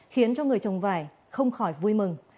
khiến cho người trồng vải không khỏi vui mừng